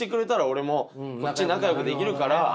俺もこっち仲よくできるから。